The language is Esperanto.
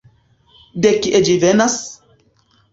De kie ĝi venas?